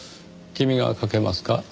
君がかけますか？